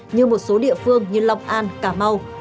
như một số địa phương như long an cà mau